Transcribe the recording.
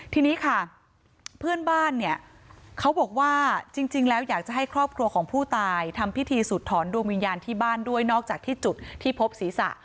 ทีนี้ค่ะเพื่อนบ้านเนี่ยเขาบอกว่าจริงแล้วอยากจะให้ครอบครัวของผู้ตายทำพิธีสุดถอนดวงวิญญาณที่บ้านด้วยนอกจากที่จุดที่พบศีรษะ